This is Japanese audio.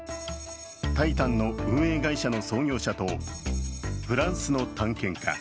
「タイタン」の運営会社の創業者と、フランスの探検家